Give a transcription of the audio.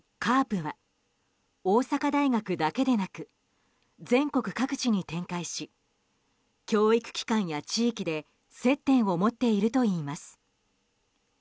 ＣＡＲＰは大阪大学だけでなく全国各地に展開し教育機関や地域で接点を持っているといいます。